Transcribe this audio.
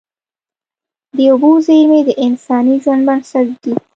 د اوبو زیرمې د انساني ژوند بنسټ دي.